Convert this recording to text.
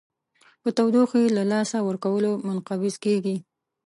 په تودوخې له لاسه ورکولو منقبض کیږي.